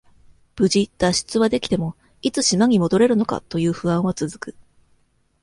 無事、脱出はできても、いつ島に戻れるのか、という不安は続く。